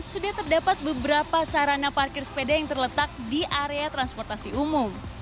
sudah terdapat beberapa sarana parkir sepeda yang terletak di area transportasi umum